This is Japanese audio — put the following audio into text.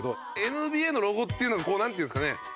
ＮＢＡのロゴっていうのがこうなんていうんですかね